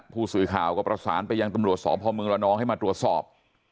ผู้สื่อข่าวก็ประสานไปยังตำรวจสพมระนองให้มาตรวจสอบ